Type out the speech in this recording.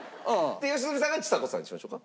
良純さんがちさ子さんにしましょうか。